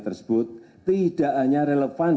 tersebut tidak hanya relevan